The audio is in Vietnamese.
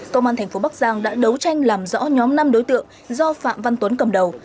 công an thành phố bắc giang đã đấu tranh làm rõ nhóm năm đối tượng do phạm văn tuấn cầm đầu